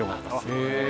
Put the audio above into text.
へえ。